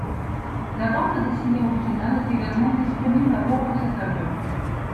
La bande dessinée originale est également disponible à bord de cet avion.